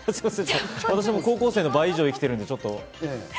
私、高校生の倍以上生きているので、ちょっと。